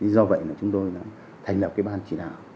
do vậy là chúng tôi đã thành lập cái ban chỉ đạo